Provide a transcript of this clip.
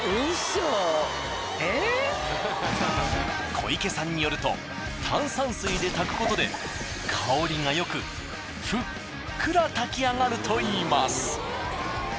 小池さんによると炭酸水で炊くことで香りがよくふっくら炊き上がるといいます。